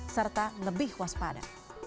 serta lebih waspada